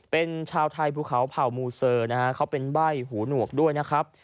เป็นชาวไทยภูเขาเผ่ามูเซอร์นะฮะเขาเป็นใบ้หูหนวกด้วยนะครับ